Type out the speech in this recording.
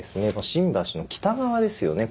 新橋の北側ですよね。